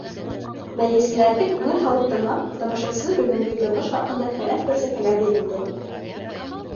Бәйгеселәрҙе күңел һалып тыңлап, тамашасы бөгөнгө тормош хаҡында тәрән фәлсәфәгә бирелде.